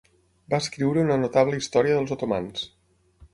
Va escriure una notable Història dels Otomans.